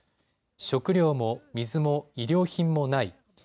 食料も水も医療品もない。